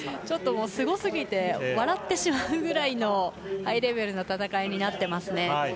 ちょっとすごすぎて笑ってしまうぐらいのハイレベルな戦いになってますね。